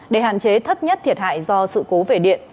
để hạn chế thấp nhất thiệt hại do sự cố về điện